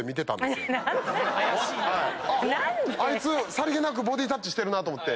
さりげなくボディタッチしてるなと思って。